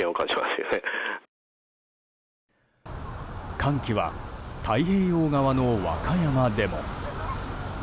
寒気は太平洋側の和歌山でも。